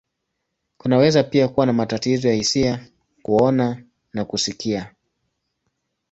Kunaweza pia kuwa na matatizo ya hisia, kuona, na kusikia.